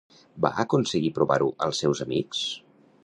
Va aconseguir provar-ho als seus amics?